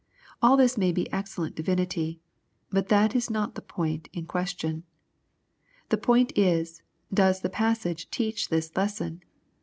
All this may be excellent divinity. But that is not the point in question. The point is, does the passage teach this lesson?